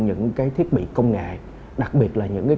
những cái thiết bị công nghệ